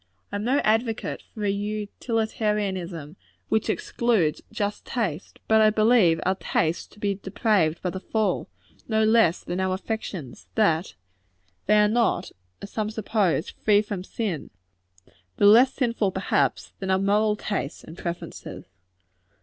I am no advocate for a utilitarianism which excludes just taste: but I believe our tastes to be depraved by the fall, no less than our affections; that they are not, as some suppose, free from sin though less sinful, perhaps, than our moral tastes and preferences.